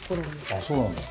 あっそうなんだ。